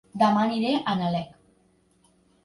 Dema aniré a Nalec